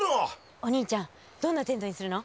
お兄ちゃんどんなテントにするの？